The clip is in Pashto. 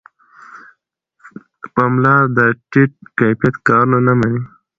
پملا د ټیټ کیفیت کارونه نه مني.